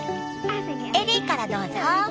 エリーからどうぞ。